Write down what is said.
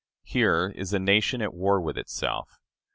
Here is a nation at war with itself.